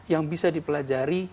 yang bisa dipelajari